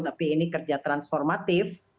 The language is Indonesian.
tapi ini kerja transformatif